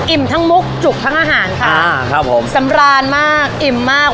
ทั้งมุกจุกทั้งอาหารค่ะอ่าครับผมสำราญมากอิ่มมาก